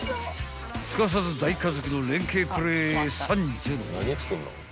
［すかさず大家族の連携プレー三女の］